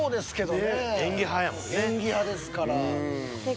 演技派ですから。